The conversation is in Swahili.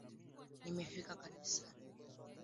Nimefika kanisani